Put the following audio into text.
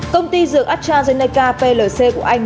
công ty dược astrazeneca plc của anh